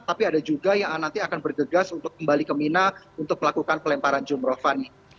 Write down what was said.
tapi ada juga yang nanti akan bergegas untuk kembali ke mina untuk melakukan pelemparan jumroh fani